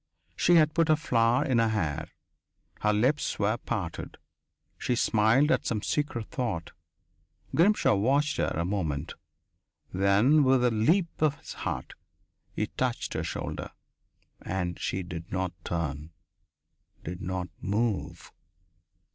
She had put a flower in her hair. Her lips were parted. She smiled at some secret thought. Grimshaw watched her a moment; then with a leap of his heart he touched her shoulder. And she did not turn, did not move....